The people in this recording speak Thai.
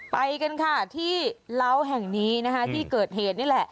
ไปกันค่ะที่เล้าแห่งนี้นะคะที่เกิดเหตุนี่แหละ